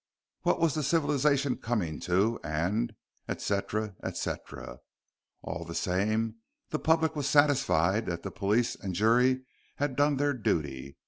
"What was civilisation coming to and " etc., etc. All the same the public was satisfied that the police and jury had done their duty.